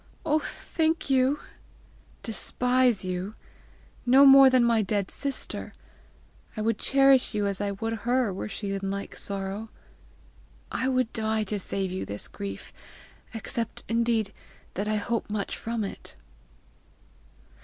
Oh, thank you!" "Despise you! no more than my dead sister! I would cherish you as I would her were she in like sorrow. I would die to save you this grief except indeed that I hope much from it."